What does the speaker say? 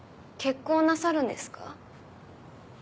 結婚なさるんですか？